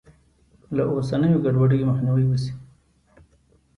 له اوسنیو ګډوډیو مخنیوی وشي.